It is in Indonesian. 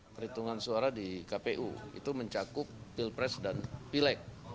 perhitungan suara di kpu itu mencakup pilpres dan pileg